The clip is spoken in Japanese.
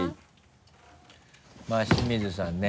まぁ清水さんね。